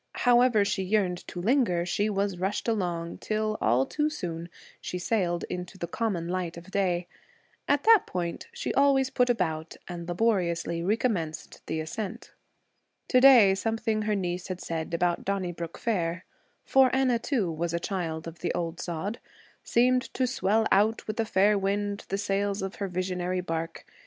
However she yearned to linger, she was rushed along till, all too soon, she sailed into the common light of day. At that point, she always put about, and laboriously recommenced the ascent. To day, something her niece had said about Donnybrook Fair for Anna, too, was a child of the old sod seemed to swell out with a fair wind the sails of her visionary bark.